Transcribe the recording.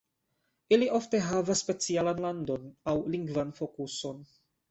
Ili ofte havas specialan landon, aŭ lingvan fokuson.